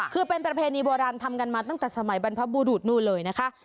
คือเป็นประเพณีโบราณทำกันมาตั้งแต่สมัยบรรพบุรุษนู่นเลยนะคะ